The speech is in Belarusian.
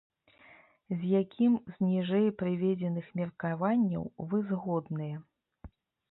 З якім з ніжэй прыведзеных меркаванняў вы згодныя?